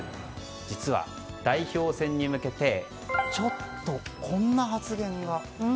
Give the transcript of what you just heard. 実は代表戦に向けてちょっと、こんな発言が。